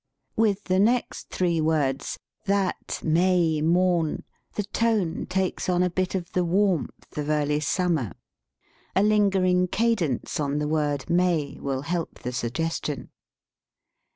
With the next three words, "that May morn," the tone takes on a bit of the warmth of early summer. A lingering ca dence on the word "May" will help the sug gestion.